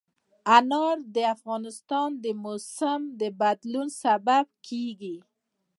انار د افغانستان د موسم د بدلون سبب کېږي.